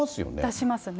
出しますね。